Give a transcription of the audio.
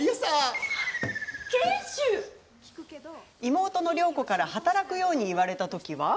妹の良子から働くよう言われたときは。